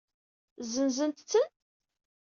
Zenzent-ten?